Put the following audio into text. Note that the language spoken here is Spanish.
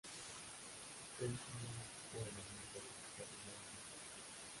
Es muy buen amigo del actor Mel Gibson.